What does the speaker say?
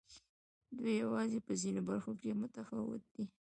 دوی یوازې په ځینو برخو کې متفاوت دي.